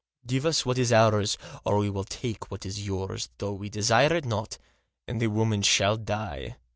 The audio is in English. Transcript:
Give us what is ours, or we will take what is yours, though we desire it not, and the woman shall die."